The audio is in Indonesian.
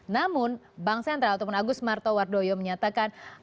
namun bank sentral ataupun agus martowardoyo menyatakan